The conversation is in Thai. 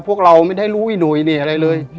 พวกเราไม่ได้รู้วินุยอะไรเลย